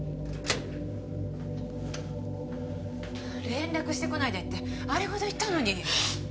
連絡してこないでってあれほど言ったのに。